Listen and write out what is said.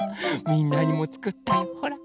みんなにもつくったよほら。